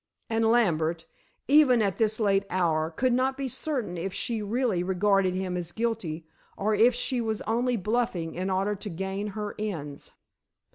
And Lambert, even at this late hour, could not be certain if she really regarded him as guilty, or if she was only bluffing in order to gain her ends.